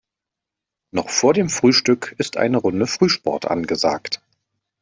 Noch vor dem Frühstück ist eine Runde Frühsport angesagt.